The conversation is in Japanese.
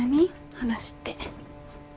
話って。